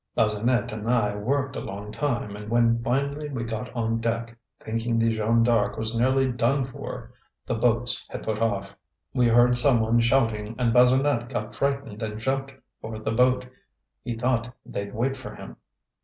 Bazinet and I worked a long time; and when finally we got on deck, thinking the Jeanne D'Arc was nearly done for, the boats had put off. We heard some one shouting, and Bazinet got frightened and jumped for the boat. He thought they'd wait for him.